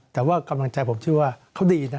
แต่ว่ากำลังใจผมชื่อว่าเขาดีนะ